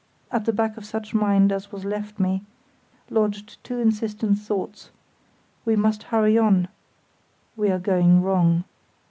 At the back of such mind as was left me lodged two insistent thoughts: "we must hurry on," "we are going wrong."